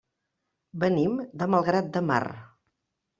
Venim de Malgrat de Mar.